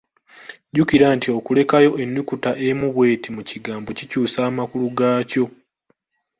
Jjukira nti okulekayo ennukuta emu bw'eti mu kigambo kikyusa amakulu gaakyo.